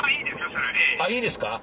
いいですか？